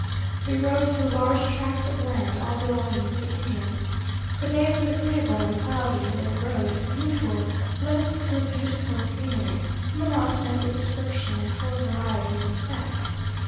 We rode through large tracks of land, all belonging to the Indians. The day was agreeable and cloudy, and the road, as usual, led us through beautiful scenery, monotonous in description, and full of variety in fact.